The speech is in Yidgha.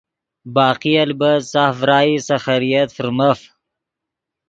باقی البت ساف ڤرائی سے خیریت فرمف۔